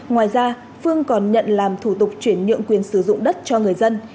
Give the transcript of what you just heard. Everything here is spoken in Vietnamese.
ngoài ra phương còn nhận làm thủ tục chuyển nhượng quyền sử dụng đất cho người dân